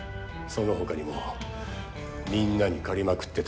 そのほかにもみんなに借りまくってた。